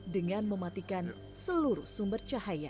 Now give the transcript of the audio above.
dengan mematikan seluruh sumber cahaya